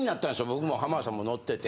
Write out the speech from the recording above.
僕も浜田さんも乗ってて。